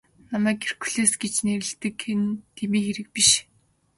Намайг Геркулес гэж нэрлэдэг нь дэмий хэрэг биш.